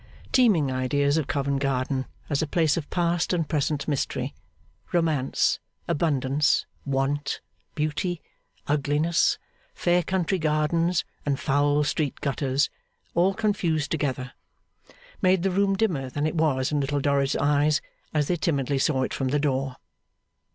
teeming ideas of Covent Garden, as a place of past and present mystery, romance, abundance, want, beauty, ugliness, fair country gardens, and foul street gutters; all confused together, made the room dimmer than it was in Little Dorrit's eyes, as they timidly saw it from the door.